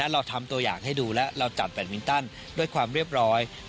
เราทำตัวอย่างให้ดูแล้วเราจัดแบตมินตันด้วยความเรียบร้อย